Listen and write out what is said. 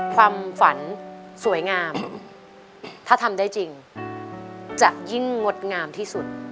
ความฝันสวยงามถ้าทำได้จริงจะยิ่งงดงามที่สุด